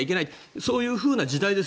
そういう時代ですよ